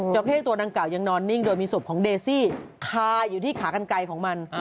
เข้ตัวดังกล่ายังนอนนิ่งโดยมีศพของเดซี่คาอยู่ที่ขากันไกลของมัน